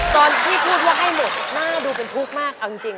ตอนที่พูดว่าให้หมดหน้าดูเป็นทุกข์มากเอาจริง